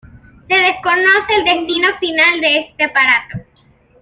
Se desconoce el destino final de este aparato.